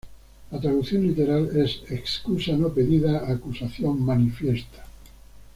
La traducción literal es ‘excusa no pedida, acusación manifiesta’.